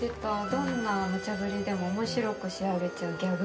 どんな無茶ぶりでも面白く仕上げちゃうギャグレストラン。